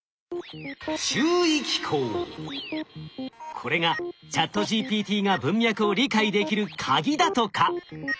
これがＣｈａｔＧＰＴが文脈を理解できるカギだとか。